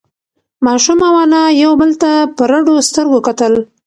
ماشوم او انا یو بل ته په رډو سترگو کتل.